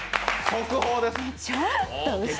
速報です。